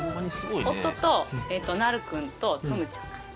夫となる君とつむちゃん。